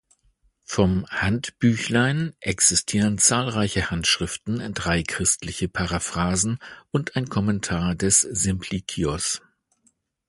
Vom "Handbüchlein" existieren zahlreiche Handschriften, drei christliche Paraphrasen und ein Kommentar des Simplikios.